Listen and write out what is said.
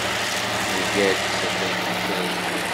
Nga-d asafag n yiferki.